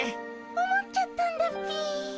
思っちゃったんだっピィ。